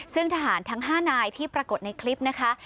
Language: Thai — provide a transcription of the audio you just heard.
ซึ่งทหารทั้ง๕นายที่ปรากฏในคลิปนะคะ